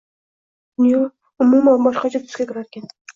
dunyo umuman boshqacha tusga kirarkan.